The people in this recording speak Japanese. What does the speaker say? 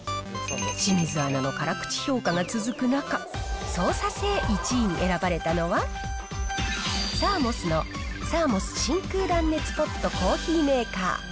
清水アナの辛口評価が続く中、操作性１位に選ばれたのは、サーモスの、サーモス真空断熱ポットコーヒーメーカー。